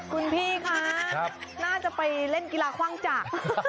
คุณพี่คะน่าจะไปเล่นกีฬาคว่างจักร